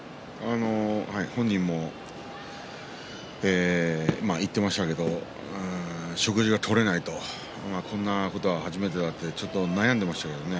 本人も言っていましたけれども食事がとれないこんなことは初めてだと悩んでいましたけどね